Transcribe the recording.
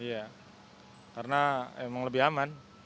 iya karena emang lebih aman